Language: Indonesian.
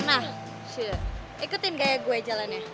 nah ikutin gaya gue jalannya